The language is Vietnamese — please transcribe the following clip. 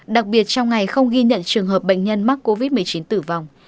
đặc biệt trong ngày không ghi nhận trường hợp bệnh nhân mắc covid một mươi chín tử vong